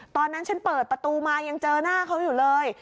ตอนนั้นฉันเปิดประตูมายังเจอหน้าเขาอยู่เลย